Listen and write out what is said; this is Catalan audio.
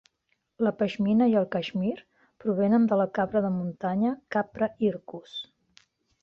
La pashmina i el cashmere provenen de la cabra de muntanya "capra hircus".